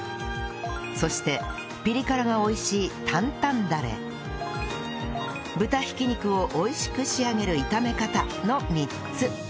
そしてピリ辛が美味しい担々ダレ豚挽き肉を美味しく仕上げる炒め方の３つ